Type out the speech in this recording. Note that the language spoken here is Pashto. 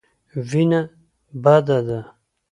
وېنه بده ده.